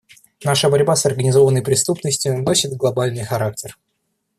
Наша борьба с организованной преступностью носит глобальный характер.